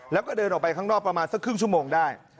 แล้วก็เดินออกไปข้างนอกประมาณสักครึ่งชั่วโมงได้